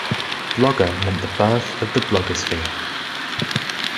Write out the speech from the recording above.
Blogger meant the birth of blogosphere.